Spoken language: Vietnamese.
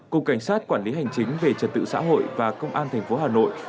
cục cảnh sát quản lý hành chính về trật tự xã hội và công an thành phố hà nội